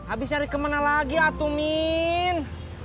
habis nyari kemana lagi atumin